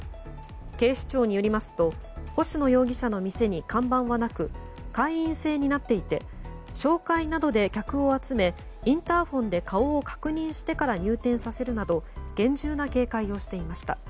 警視庁によりますと星野容疑者の店に看板はなく会員制になっていて紹介などで客を集めインターホンで顔を確認してから入店させるなど厳重な警戒をしていました。